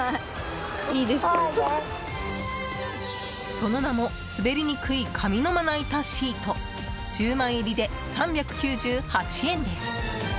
その名もすべりにくい紙のまな板シート１０枚入りで３９８円です。